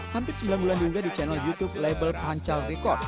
hampir sembilan bulan diunggah di channel youtube label pancal record